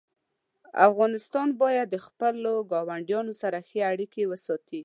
افغانستان باید د خپلو ګاونډیانو سره ښې اړیکې وساتي.